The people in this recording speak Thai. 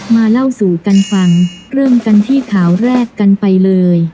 มาเล่าสู่กันฟังเริ่มกันที่ข่าวแรกกันไปเลย